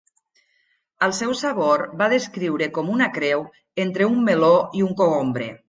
El seu sabor va descriure com una creu entre un meló i un cogombre.